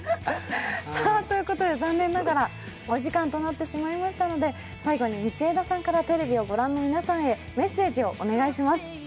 残念ながらお時間となってしまいましたので、最後に道枝さんからテレビを御覧の皆さんへメッセージをお願いします。